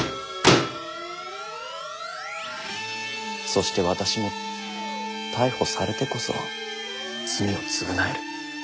そして私も逮捕されてこそ罪を償える。